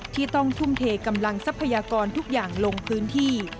ที่ต้องทุ่มเทกำลังทรัพยากรทุกอย่างลงพื้นที่